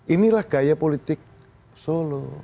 inilah gaya politik solo